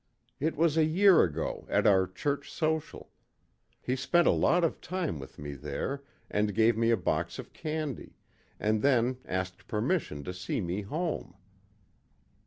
"It was a year ago, at our Church Social. He spent a lot of time with me there, and gave me a box of candy, and then asked permission to see me home.